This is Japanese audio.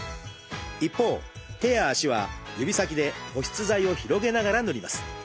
一方手や足は指先で保湿剤を広げながら塗ります。